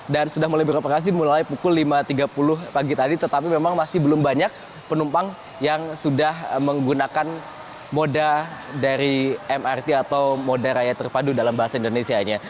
dan sudah mulai beroperasi mulai pukul lima tiga puluh pagi tadi tetapi memang masih belum banyak penumpang yang sudah menggunakan moda dari mrt atau moda raya terpadu dalam bahasa indonesia